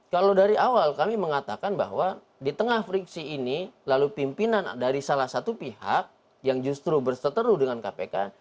kalau dari awal kami mengatakan bahwa di tengah friksi ini lalu pimpinan dari salah satu pihak yang justru berseteru dengan kpk